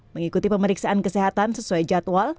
mengikuti pemeriksaan kesehatan sesuai jadwal